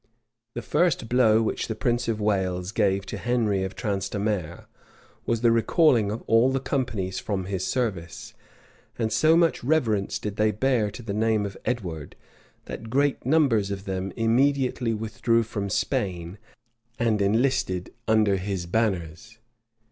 The first blow which the prince of Wales gave to Henry of Transtamare, was the recalling of all the "companies" from his service; and so much reverence did they bear to the name of Edward, that great numbers of them immediately withdrew from Spain, and enlisted under his banners.